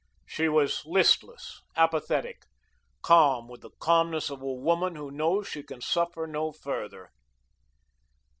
She was listless, apathetic, calm with the calmness of a woman who knows she can suffer no further.